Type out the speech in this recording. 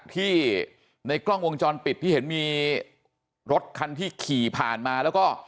ที่ในกล้องวงจรปิดที่เห็นมีรถคันที่ขี่ผ่านมาแล้วก็